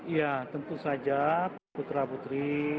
ya tentu saja putra putri